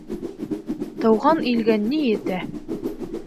— Тыуған илгә ни етә!